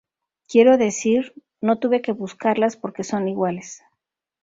Quiero decir, no tuve que buscarlas porque son iguales.